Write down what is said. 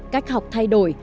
cách học thay đổi